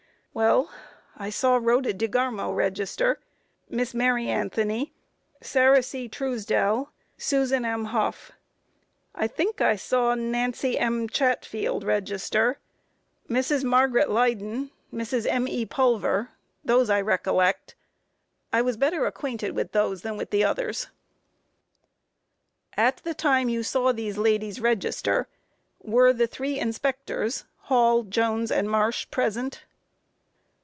Well, I saw Rhoda DeGarmo register; Miss Mary Anthony, Sarah C. Truesdell, Susan M. Hough; I think I saw Nancy M. Chatfield register; Mrs. Margaret Leyden, Mrs. M.E. Pulver; those I recollect; I was better acquainted with those than with the others. Q. At the time you saw these ladies register, were the three inspectors, Hall, Jones, and Marsh present?